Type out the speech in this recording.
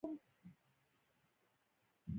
دریشي د دفتر کارکوونکو یونیفورم وي.